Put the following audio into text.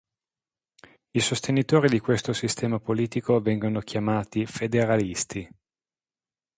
I sostenitori di questo sistema politico vengono chiamati "federalisti".